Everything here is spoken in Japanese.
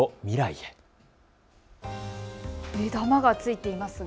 目玉がついていますが。